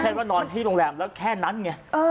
ว่านอนที่โรงแรมแล้วแค่นั้นไง